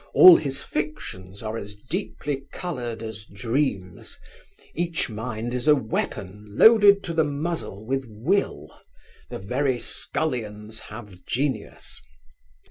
All his fictions are as deeply coloured as dreams. Each mind is a weapon loaded to the muzzle with will. The very scullions have genius.